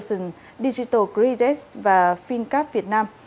công ty này được gọi là group of greatest và fincap việt nam